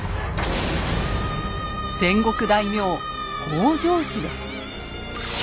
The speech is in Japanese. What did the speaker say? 戦国大名北条氏です。